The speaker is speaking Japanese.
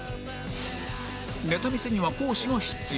ネタ見せには講師が必要